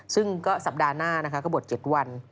ซึ่งก็สัปดาห์หน้าก็บท๗วัน